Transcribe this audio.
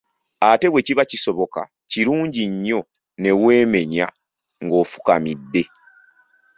Ate bwe kiba kisoboka, kirungi nnyo ne weemenya ng'ofukamidde.